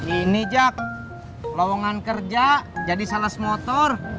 ini jak lowongan kerja jadi sales motor